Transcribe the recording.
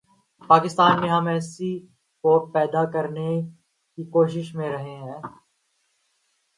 پاکستان میں ہم اسی کو پیدا کرنے کی کوشش میں رہے ہیں۔